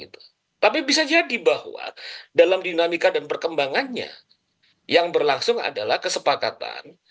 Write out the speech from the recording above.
tapi bisa jadi bahwa dalam dinamika dan perkembangannya yang berlangsung adalah kesepakatan